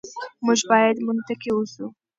موږ بايد منطقي اوسو.